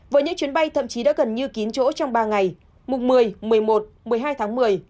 với những chuyến bay thậm chí đã gần như kín chỗ trong ba ngày mùng một mươi một mươi một một mươi hai tháng một mươi